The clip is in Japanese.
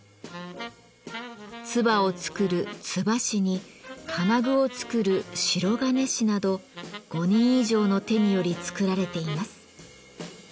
鍔を作る「鍔師」に金具を作る「白銀師」など５人以上の手により作られています。